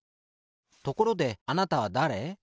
ところであなたはだれ？